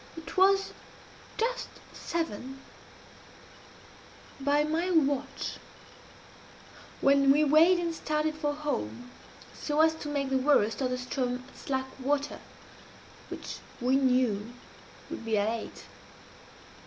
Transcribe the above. It was just seven, by my watch, when we weighed and started for home, so as to make the worst of the Ström at slack water, which we knew would be at eight.